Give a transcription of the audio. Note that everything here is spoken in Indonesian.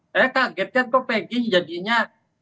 saya kaget kan kok peggy jadinya